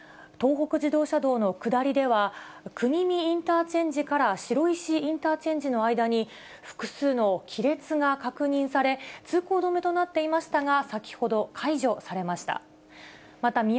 東北自動車道の下りでは、国見インターチェンジから白石インターチェンジの間に複数の亀裂が確認され、通行止めとなってましたが、先ほど解除されました。